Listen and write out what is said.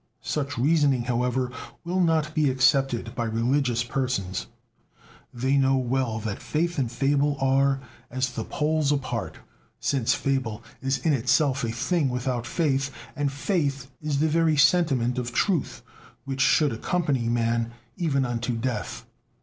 Such reasoning, however, will not be accepted by religious persons. They know well that faith and fable are "as the poles apart," since fable is in itself a thing without faith, and faith is the very sentiment of truth, which should accompany man even unto death.